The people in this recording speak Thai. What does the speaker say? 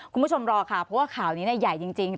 คุณผู้ชมรอค่ะเพราะว่าข่าวนี้ใหญ่จริง